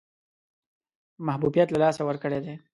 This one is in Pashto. محبوبیت له لاسه ورکړی دی.